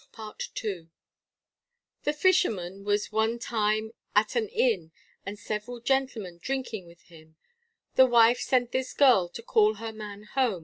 PART II. The fisherman was one time at an inn, And several gentlemen drinking with him, The wife sent this girl to call her man home.